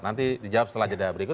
nanti dijawab setelah jeda berikut